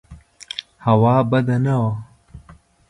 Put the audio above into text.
هوا بده نه وه.